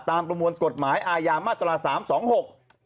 ตามประมวลกฎหมายอายามมาตรศาสตร์๓๒๖